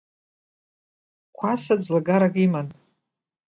Қәаса ӡлагарак иман.